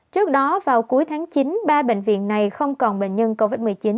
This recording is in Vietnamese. trước đó vào cuối tháng chín ba bệnh viện này không còn bệnh nhân covid một mươi chín